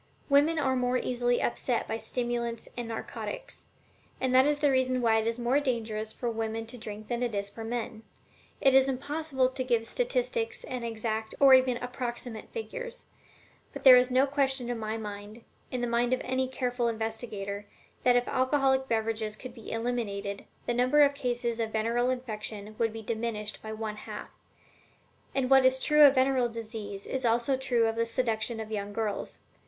Women are more easily upset by stimulants and narcotics, and that is the reason why it is more dangerous for women to drink than it is for men. It is impossible to give statistics and exact or even approximate figures. But there is no question in my mind, in the mind of any careful investigator, that if alcoholic beverages could be eliminated, the number of cases of venereal infection would be diminished by about one half. And what is true of venereal disease is also true of the seduction of young girls.